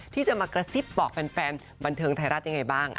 ที่จะมากระซิบบอกแฟนบันเทิงไทยรัฐยังไงบ้าง